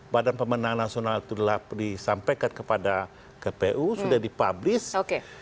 badan pemenang nasional itu disampaikan kepada kpu sudah dipublis